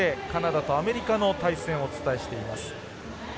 カナダとアメリカの対戦をお伝えしています。